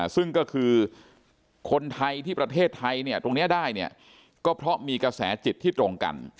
ซึ่งก็คือคนไทยที่ประเทศไทยเนี่ยตรงนี้ได้เนี่ยก็เพราะมีกระแสจิตที่ตรงกัน